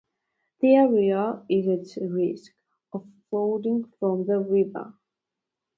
The area is at risk of flooding from the river.